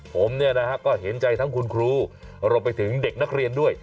ผมเนี่ยนะฮะก็เห็นใจทั้งคุณครูแล้วเราไปถึงเด็กนักเรียนด้วย